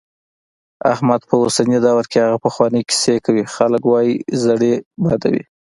احمد په اوسني دور کې هغه پخوانۍ کیسې کوي، خلک وايي زړې بادوي.